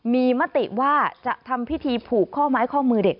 มีมติว่าจะทำพิธีผูกข้อไม้ข้อมือเด็ก